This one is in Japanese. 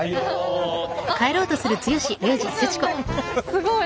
すごい。